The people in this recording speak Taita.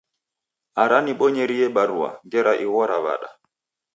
Ara nibonyerie barua ngera ighora w'ada.